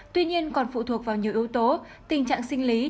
tuy nhiên còn phụ thuộc vào nhiều yếu tố tình trạng sinh lý